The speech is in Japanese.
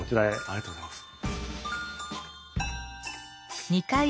ありがとうございます。